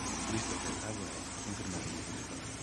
Christopher A. Wray fue confirmado como Director.